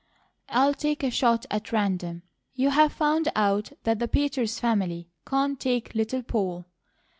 "I'll take a shot at random. You have found out that the Peters family can't take Little Poll."